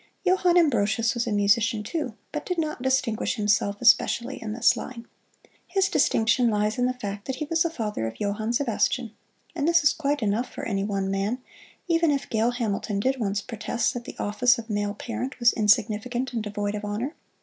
Johann Ambrosius was a musician, too, but did not distinguish himself especially in this line. His distinction lies in the fact that he was the father of Johann Sebastian, and this is quite enough for any one man, even if Gail Hamilton did once protest that the office of male parent was insignificant and devoid of honor.